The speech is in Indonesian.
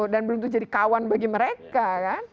dan belum jadi kawan bagi mereka kan